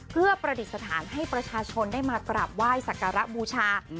เพื่อประดิษฐานให้ประชาชนได้มากราบไหว้สักการะบูชา